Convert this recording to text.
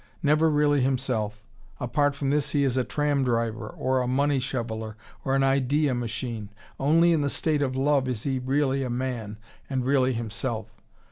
Never really himself. Apart from this he is a tram driver or a money shoveller or an idea machine. Only in the state of love is he really a man, and really himself.